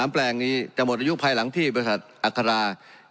แปลงนี้จะหมดอายุภายหลังที่บริษัทอัครา